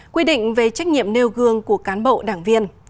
quy định về trách nhiệm nêu gương của cán bộ đảng viên